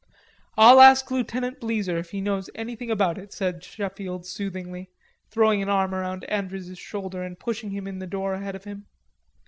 "I'll ask Lieutenant Bleezer if he knows anything about it," said Sheffield soothingly, throwing an arm around Andrews's shoulder and pushing him in the door ahead of him.